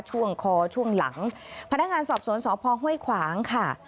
ช่วงคอช่วงหลังพนักงานสอบสวนสพห้วยขวางค่ะ